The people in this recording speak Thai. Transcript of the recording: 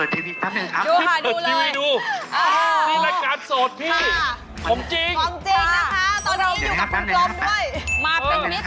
จริงครับบ๊วยบ๊วยบ๊วยไว้ครับดูผมเชื่อนะ